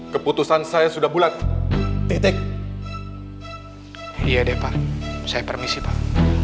keputusan saya sudah bulat titik iya deh pak saya permisi pak